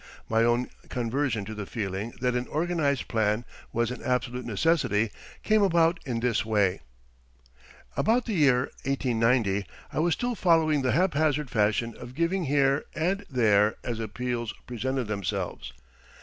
My own conversion to the feeling that an organized plan was an absolute necessity came about in this way. About the year 1890 I was still following the haphazard fashion of giving here and there as appeals presented themselves.